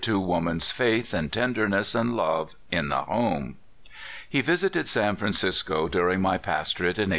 to woman's faith, and tenderness, and love, in the home. He visited San Francisco during my pastorate in 1858.